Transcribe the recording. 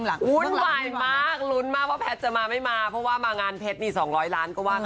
หนูก็ไม่ได้รู้สึกว่า